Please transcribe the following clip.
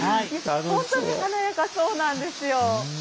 本当に華やか、そうなんですよ。